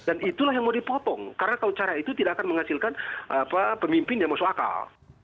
dan itulah yang mau dipotong karena kalau cara itu tidak akan menghasilkan pemimpin yang masuk akal